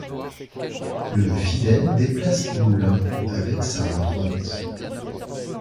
Le fidèle déplace les moulins avec sa main droite.